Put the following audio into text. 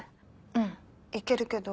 うん行けるけど。